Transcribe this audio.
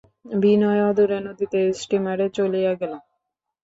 বিনয় অদূরে নদীতে স্টীমারে চলিয়া গেল।